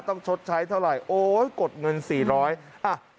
ต้องชดใช้เท่าไหร่โอ้ยกดเงิน๔๐๐บาท